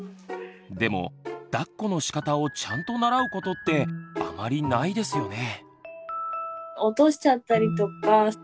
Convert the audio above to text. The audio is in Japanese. でもだっこのしかたをちゃんと習うことってあまりないですよね。